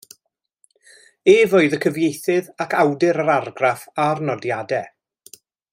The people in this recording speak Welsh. Ef oedd y cyfieithydd ac awdur yr Argraff a'r Nodiadau.